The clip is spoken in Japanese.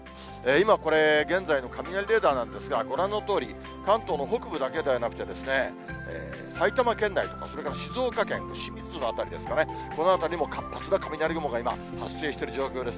今これ、現在の雷レーダーなんですが、ご覧のとおり、関東の北部だけではなくて、埼玉県内、それから静岡県、清水の辺りですかね、この辺りも活発な雷雲が今、発生している状況です。